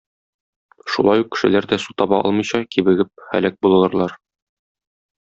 Шулай ук кешеләр дә су таба алмыйча кибегеп һәлак булырлар.